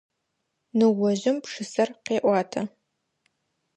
Ныожъым пшысэр къеӏуатэ.